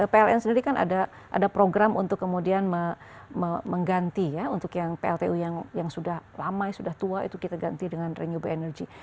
pln sendiri kan ada program untuk kemudian mengganti ya untuk yang pltu yang sudah lama sudah tua itu kita ganti dengan renewable energy